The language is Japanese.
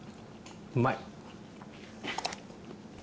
うまい！